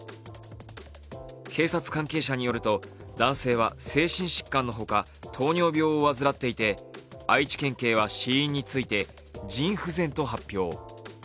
警察関係者によると、男性は精神疾患のほか糖尿病を患っていて愛知県警は死因について腎不全と発表。